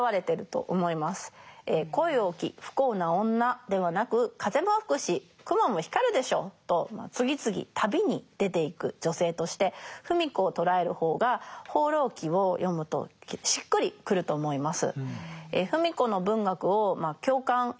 「恋多き不幸な女」ではなく「風も吹くし雲も光るでしょ」と次々旅に出ていく女性として芙美子を捉える方が「放浪記」を読むとしっくりくると思います。